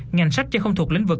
ngành sách chưa không thuộc lĩnh vực